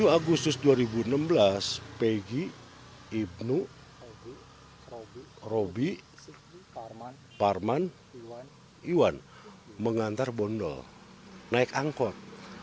dua puluh agustus dua ribu enam belas peggy ibnu roby parman iwan mengantar bondol naik angkot